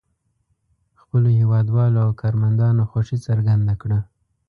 خپلو هېوادوالو او کارمندانو خوښي څرګنده کړه.